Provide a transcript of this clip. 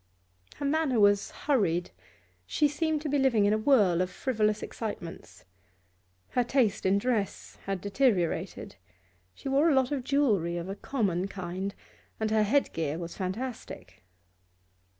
Her manner was hurried, she seemed to be living in a whirl of frivolous excitements. Her taste in dress had deteriorated; she wore a lot of jewellery of a common kind, and her headgear was fantastic.